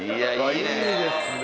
いいですね！